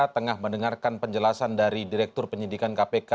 tengah mendengarkan penjelasan dari direktur penyidikan kpk